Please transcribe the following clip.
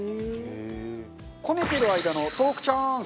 こねてる間のトークチャンス！